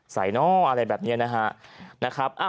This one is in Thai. ใส่นอกอะไรแบบนี้นะฮะนะครับ